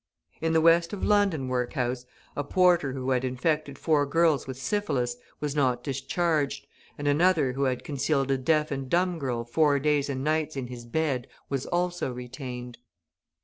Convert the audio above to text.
In the west of London workhouse, a porter who had infected four girls with syphilis was not discharged, and another who had concealed a deaf and dumb girl four days and nights in his bed was also retained.